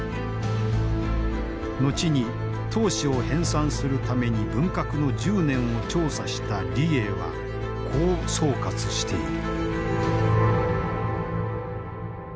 後に党史を編さんするために文革の１０年を調査した李鋭はこう総括している。